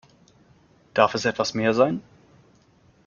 Darf es etwas mehr sein?